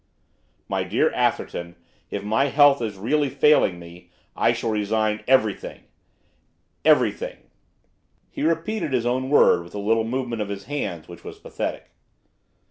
'My dear Atherton, if my health is really failing me, I shall resign everything, everything!' He repeated his own word with a little movement of his hands which was pathetic.